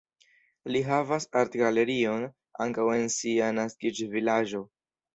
Li havas artgalerion ankaŭ en sia naskiĝvilaĝo.